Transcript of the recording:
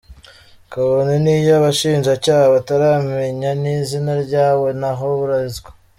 Kabone n’iyo abashinjacyaha bataramenya n’izina ryawo naho ubarizwa.